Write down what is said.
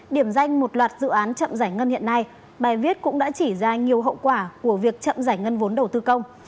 điểm danh một loạt dự án chậm giải ngân hiện nay bài viết cũng đã chỉ ra nhiều hậu quả của việc chậm giải ngân vốn đầu tư công